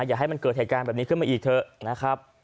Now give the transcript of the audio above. อย่าให้มันเกิดเหตุการณ์แบบนี้ขึ้นมาอีกเถอะนะครับ